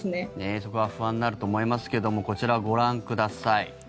そこは不安になると思いますけどこちらご覧ください。